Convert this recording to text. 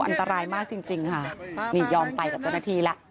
อันตรายมากจริงค่ะนี่ยอมไปกับเจ้าหน้าที่แล้ว